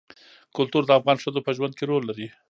کلتور د افغان ښځو په ژوند کې رول لري.